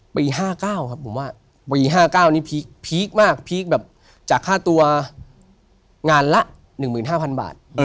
ปี๕๙ครับผมว่าปี๕๙นี้พีคมากพีคแบบจากค่าตัวงานละ๑๕๐๐๐บาท